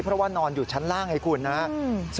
เพราะว่านอนอยู่ชั้นล่างไงคุณนะครับ